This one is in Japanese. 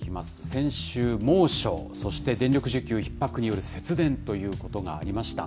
先週、猛暑、そして電力需給ひっ迫による節電ということがありました。